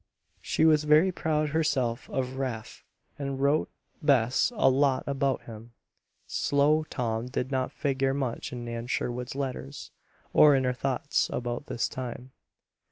She was very proud herself of Rafe and wrote Bess a lot about him. Slow Tom did not figure much in Nan Sherwood's letters, or in her thoughts, about this time.